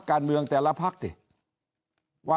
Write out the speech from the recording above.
ก็มาเมืองไทยไปประเทศเพื่อนบ้านใกล้เรา